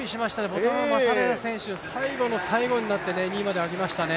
ボツワナのマサレラ選手、最後の最後になって２位まで上げましたね。